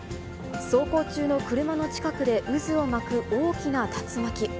走行中の車の近くで渦を巻く大きな竜巻。